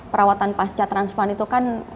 perawatan pasca transfer itu kan